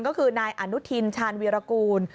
ก็คือนายอนุทินชาญวีรกูล